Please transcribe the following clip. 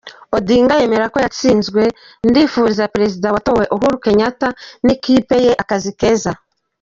Odinga yemera ko yatsinzwe " Ndifuriza Perezida watowe Uhuru Kenyatta, n’ikipe ye akazi keza.